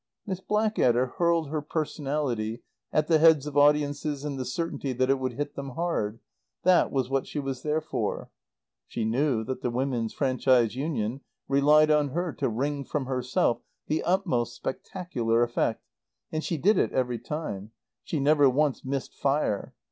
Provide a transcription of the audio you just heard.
Miss Blackadder hurled her personality at the heads of audiences in the certainty that it would hit them hard. That was what she was there for. She knew that the Women's Franchise union relied on her to wring from herself the utmost spectacular effect. And she did it every time. She never once missed fire.